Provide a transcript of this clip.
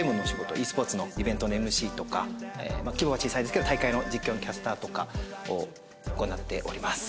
ｅスポーツのイベントのＭＣとかまあ規模は小さいですけど大会の実況のキャスターとかを行っております。